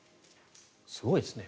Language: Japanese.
すごいですね。